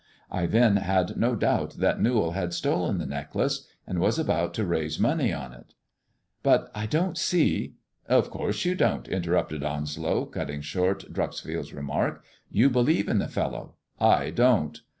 I then had no doubt that Newall had stolen the necklace, and was about to raise money on it." THE IVORY LEG AND THE DIAMONDS 353 "But I don't see "" Of course you don't," interrupted Onslow, cutting short reuxfield's remark, " you believe in the fellow. I don't.